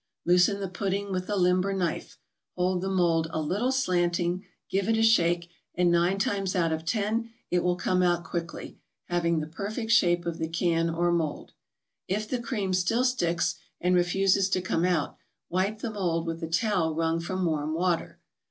Loosen the pudding with a limber knife, hold the mold a little slanting, give it a shake, and nine times out of ten it will come out quickly, having the perfect shape of the can or mold. If the cream still sticks and refuses to come out, wipe the mold with a towel wrung from warm water.